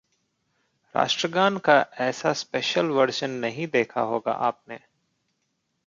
राष्ट्रगान का ऐसा स्पेशल वर्जन नहीं देखा होगा आपने